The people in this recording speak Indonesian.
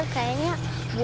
suhu pengguna ini seramu